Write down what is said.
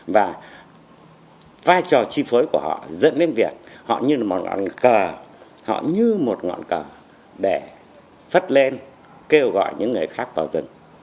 và vai trò chi phối của họ dẫn đến việc họ như là một ngọn cờ họ như một ngọn cờ để phất lên kêu gọi những người khác vào rừng